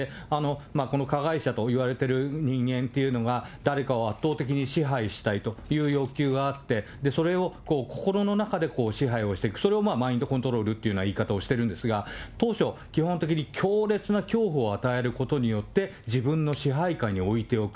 この加害者といわれている人間っていうのは、誰かを圧倒的に支配したいという欲求があって、それを心の中で支配をしていく、それをマインドコントロールっていうような言い方をしているんですが、当初、基本的に強烈な恐怖を与えることによって、自分の支配下に置いておく。